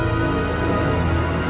cabutlah selai junet